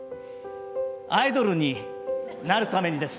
アイドルになるためにです。